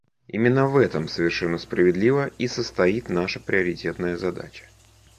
Именно в этом совершенно справедливо и состоит наша приоритетная задача.